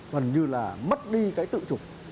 hẳn như là mất đi cái tự chủ